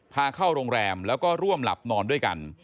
พาเข้าโรงแรมแล้วก็ร่วมหลับนอนด้วยกัน